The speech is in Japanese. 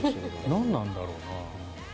何なんだろうな。